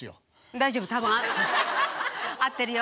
大丈夫多分合ってるよ。